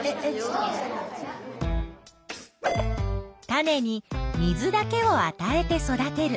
種に水だけをあたえて育てる。